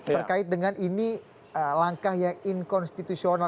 terkait dengan ini langkah yang inkonstitusional